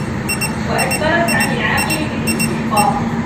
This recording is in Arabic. وَأَدْبَرَتْ عَنْ الْعَاقِلِ بِالِاسْتِحْقَاقِ